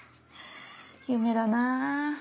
夢だなあ